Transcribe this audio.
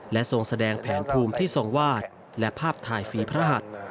ทรงแสดงแผนภูมิที่ทรงวาดและภาพถ่ายฝีพระหัส